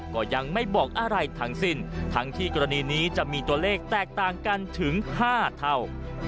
ก็ยังไม่บอกอะไรทั้งสิ้นทั้งที่กรณีนี้จะมีตัวเลขแตกต่างกันถึง๕เท่า